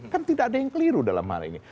kan tidak ada yang keliru dalam hal ini